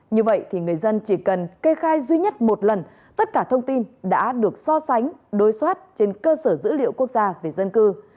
như vậy thì người dân chỉ cần kê khai duy nhất một lần tất cả thông tin đã được so sánh đối soát trên cơ sở dữ liệu quốc gia về dân cư